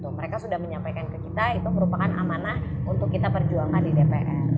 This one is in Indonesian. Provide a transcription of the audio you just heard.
mereka sudah menyampaikan ke kita itu merupakan amanah untuk kita perjuangkan di dpr